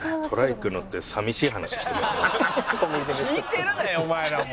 「聞いてるなよお前らも。